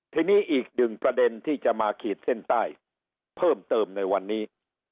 ทีนี้อีกหนึ่งประเด็นที่จะมาขีดเส้นใต้เพิ่มเติมในวันนี้